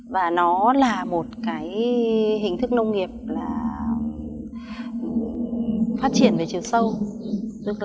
và nó là một hình thức nông nghiệp phát triển về chiều sâu